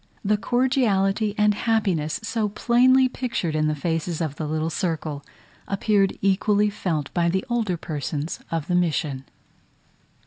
The cordiality and happiness so plainly pictured in the faces of the little circle, appeared equally felt by the older persons of the mission.